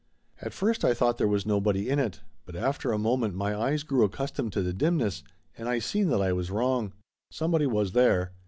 At first I thought there was nobody in it, but after a moment my eyes grew ac customed to the dimness and I seen that I was wrong. Somebody was there.